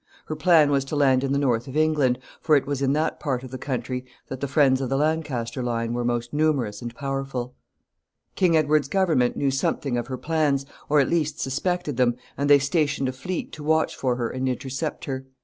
Her plan was to land in the north of England, for it was in that part of the country that the friends of the Lancaster line were most numerous and powerful. [Sidenote: She goes to England.] King Edward's government knew something of her plans, or, at least, suspected them, and they stationed a fleet to watch for her and intercept her.